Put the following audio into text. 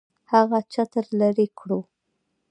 هغه چتر لري کړو.